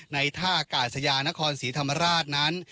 ท่ากาศยานครศรีธรรมราชนั้น